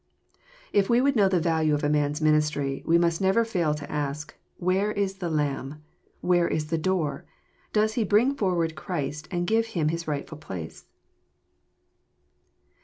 If we would know the value of a man's ministry, we must never fail to ask. Where is the Lamb? Where is the Door? Does he bring forward Christ, and gives Him his rightful place?